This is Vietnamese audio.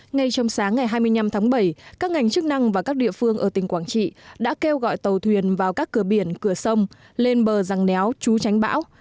ngay trong sáng ngày hai mươi năm tháng bảy các ngành chức năng và các địa phương ở tỉnh quảng trị đã kêu gọi tàu thuyền vào các cửa biển cửa sông lên bờ răng néo trú tránh bão